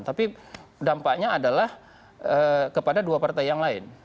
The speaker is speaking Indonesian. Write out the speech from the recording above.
tapi dampaknya adalah kepada dua partai yang lain